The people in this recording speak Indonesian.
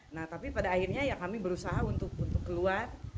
nah tapi pada akhirnya ya kami berusaha untuk keluar